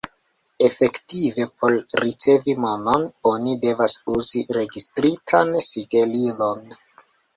Efektive, por ricevi monon, oni devas uzi registritan sigelilon.